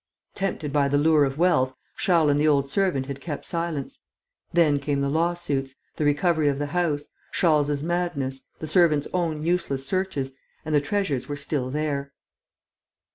Tempted by the lure of wealth, Charles and the old servant had kept silence. Then came the law suits, the recovery of the house, Charles's madness, the servant's own useless searches; and the treasures were still there."